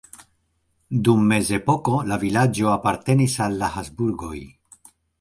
Dum mezepoko la vilaĝo apartenis al la Habsburgoj.